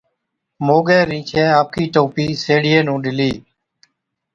موڳي رِينڇَي آپڪِي ٽوپِي سيهڙِيئي نُون ڏِلِي۔